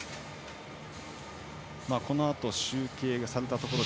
このあと集計されたところで